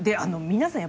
皆さん